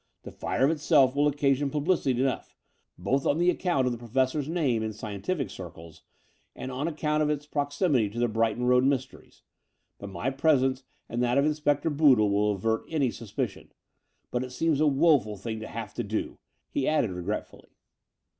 The fiire of itself will occasion publicity enough, both on account of the Professor's name in scientific circles and on account of its proximity to the Brighton Road mysteries: but my presence and that of Inspector Boodle will avert any suspicion. But it seems a woeful thing to have to do," he added regretfully.